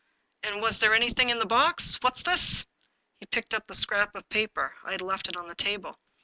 "And was there anything in the box? What's this?" He picked up the scrap of paper ; I had left it on the table.